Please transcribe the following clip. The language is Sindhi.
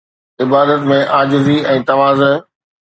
عبادت ۾ عاجزي ۽ تواضع